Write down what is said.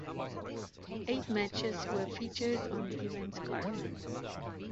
Eight matches were featured on the event's card.